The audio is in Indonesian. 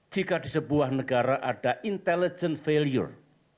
jika di sebuah negara ada intelligent failure